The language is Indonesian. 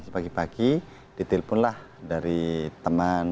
pagi pagi ditelponlah dari teman